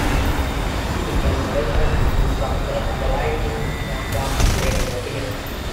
He became a weapons instructor on the Lightning aircraft later that year.